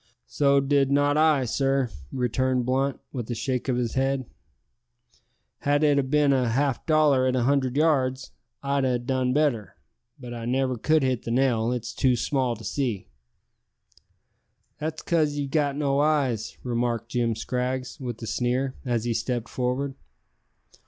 "So did not I, sir," returned Blunt, with a shake of his head. "Had it a bin a half dollar at a hundred yards, I'd ha' done better, but I never could hit the nail. It's too small to see." "That's cos ye've got no eyes," remarked Jim Scraggs, with a sneer, as he stepped forward.